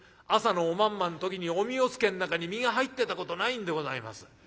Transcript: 朝のおまんまの時におみおつけの中に実が入ってたことないんでございます。